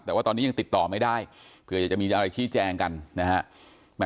แต่ว่าตอนนี้ยังติดต่อไม่ได้เผื่ออยากจะมีอะไรชี้แจงกันนะฮะ